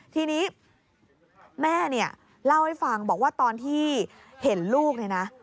ทีนี้แม่เล่าให้ฟังบอกว่าตอนที่เห็นลูก